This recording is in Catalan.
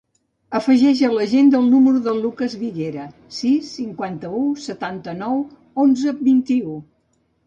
Afegeix a l'agenda el número del Lucas Viguera: sis, cinquanta-u, setanta-nou, onze, vint-i-u.